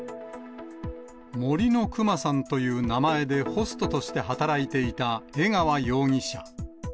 森のくまさんという名前でホストとして働いていた江川容疑者。